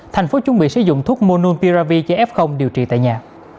thành phố chuẩn bị sử dụng thuốc monopiravir cho f điều trị tại nhà